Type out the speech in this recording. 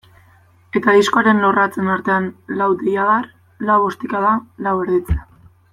Eta diskoaren lorratzen artean lau deiadar, lau ostikada, lau erditze.